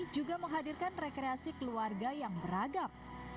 juga menghadirkan rekreasi keluarga yang beragam